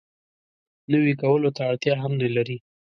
نوي کولو ته اړتیا هم نه لري.